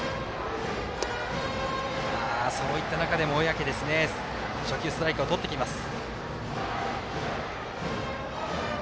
そういった中でも小宅初球、ストライクをとってきます。